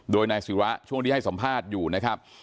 โดยนายศิระช่วงที่ให้สัมภาษณ์อยู่นะครับ